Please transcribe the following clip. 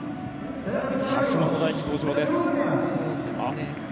橋本大輝、登場です。